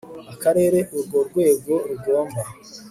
Akarere urwo rwego rugomba